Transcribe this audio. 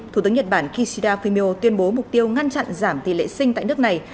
thủ tướng nhật bản kishida fumio tuyên bố mục tiêu ngăn chặn giảm tỷ lệ sinh tại nước này